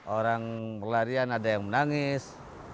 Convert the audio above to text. orang pelarian ada yang menangis